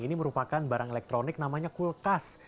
ini merupakan barang elektronik namanya kulkas